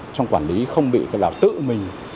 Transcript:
trong quản lý không bị tự mình